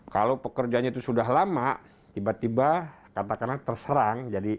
kalau pekerjanya itu sudah lama tiba tiba katakanlah terserang